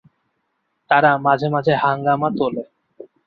তারা মাঝে মাঝে হাঙ্গামা তোলে।